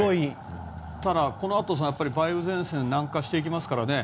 ただ、このあと梅雨前線南下していきますからね。